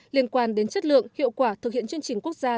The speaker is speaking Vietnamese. liên quan đến chất lượng hiệu quả thực hiện chương trình